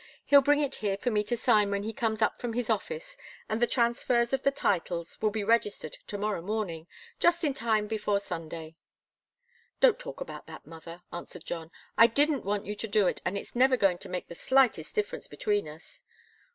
He'll bring it here for me to sign when he comes up from his office, and the transfers of the titles will be registered to morrow morning just in time before Sunday." "Don't talk about that, mother!" answered John. "I didn't want you to do it, and it's never going to make the slightest difference between us."